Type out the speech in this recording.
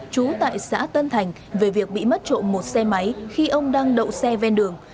trú tại xã tân thành về việc bị mất trộm một xe máy khi ông đang đậu xe ven đường